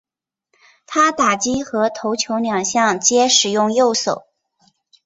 他打击和投球两项皆使用右手。